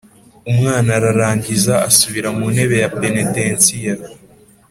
umwana ararangiza asubira mu ntebe ya penetensiya.